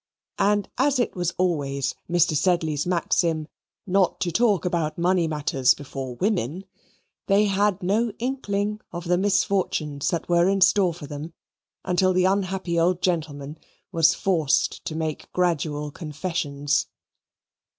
And as it was always Mr. Sedley's maxim not to talk about money matters before women, they had no inkling of the misfortunes that were in store for them until the unhappy old gentleman was forced to make gradual confessions.